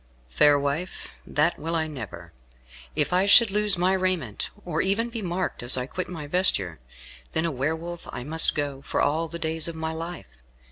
"Fair wife, that will I never. If I should lose my raiment, or even be marked as I quit my vesture, then a Were Wolf I must go for all the days of my life.